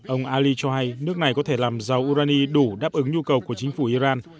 ông ali cho hay nước này có thể làm rau urani đủ đáp ứng nhu cầu của chính phủ iran